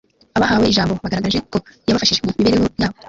abahawe ijambo bagaragaje ko yabafashije mu mibereho yabo